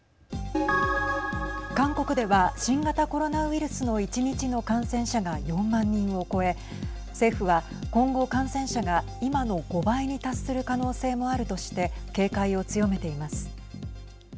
韓国では新型コロナウイルスの１日の感染者が４万人を超え政府は今後、感染者が今の５倍に達する可能性もあるとして警戒を強めています。